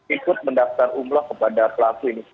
ikut mendaftar umroh kepada pelaku ini